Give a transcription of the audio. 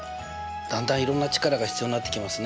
だんだんいろんな力が必要になってきますね。